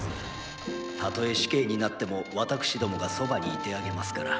たとえ死刑になっても私どもが傍にいてあげますから。